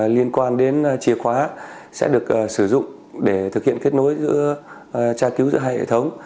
liên quan đến chìa khóa sẽ được sử dụng để thực hiện kết nối giữa tra cứu giữa hai hệ thống